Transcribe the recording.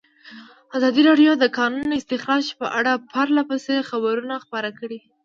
ازادي راډیو د د کانونو استخراج په اړه پرله پسې خبرونه خپاره کړي.